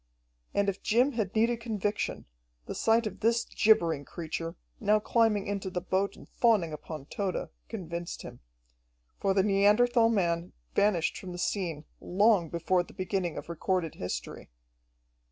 And if Jim had needed conviction, the sight of this gibbering creature, now climbing into the boat and fawning upon Tode, convinced him. For the Neanderthal man vanished from the scene long before the beginning of recorded history.